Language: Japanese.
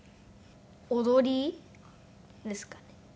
踊りですかね。